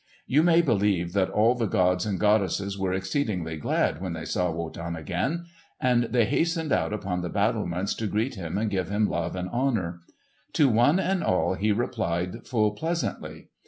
You may believe that all the gods and goddesses were exceedingly glad when they saw Wotan again; and they hastened out upon the battlements to greet him and give him love and honour. To one and all he replied full pleasantly.